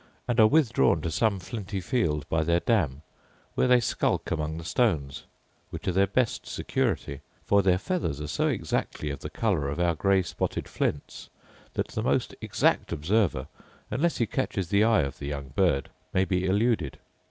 and are withdrawn to some flinty field by their dam, where they skulk among the stones, which are their best security; for their feathers are so exactly of the colour of our grey spotted flints, that the most exact observer, unless he catches the eye of the young bird, may be eluded.